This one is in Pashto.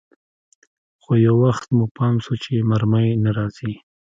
خو يو وخت مو پام سو چې مرمۍ نه راځي.